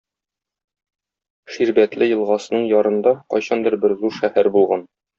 Ширбәтле елгасының ярында кайчандыр бер зур шәһәр булган.